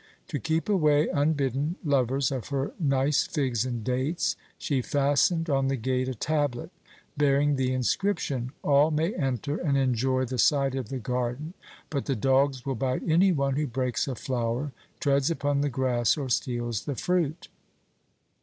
To keep away unbidden lovers of her nice figs and dates, she fastened on the gate a tablet bearing the inscription: 'All may enter and enjoy the sight of the garden; but the dogs will bite any one who breaks a flower, treads upon the grass, or steals the fruit.'